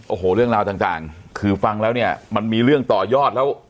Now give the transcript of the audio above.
โอ้โหเรื่องราวต่างคือฟังแล้วเนี่ยมันมีเรื่องต่อยอดแล้ว